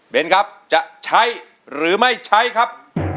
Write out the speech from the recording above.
เป็นครับจะใช้หรือไม่ใช้ครับ